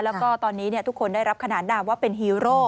แล้วก็ตอนนี้ทุกคนได้รับขนานนามว่าเป็นฮีโร่